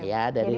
ya dari luas